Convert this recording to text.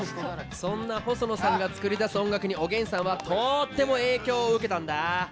そんな細野さんが作り出す音楽におげんさんはとっても影響を受けたんだ。